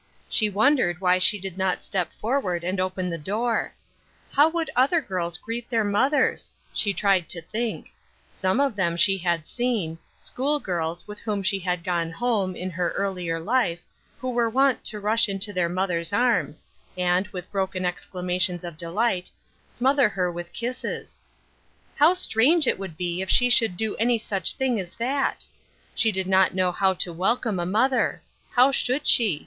She won dered why she did not step forward and open the door. How would other girls greet their mothers? She tried to think. Some of them she had seen — school girls, with whom she had gone home, in her earKer life, who were wont to rush into their mother's arms, and, with broken exclamations of delight, smother her with kisses *i Ruth Erskine's Crosses, How strange it would be if she should do any such thing as that I She did not know how to welcome a mother I How should she